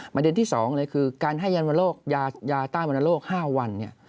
ประเด็นที่สองเลยคือการให้ยานวนโรคยาต้านวนโรค๕วันเนี่ย